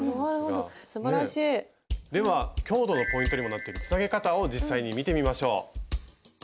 では強度のポイントにもなってるつなげ方を実際に見てみましょう。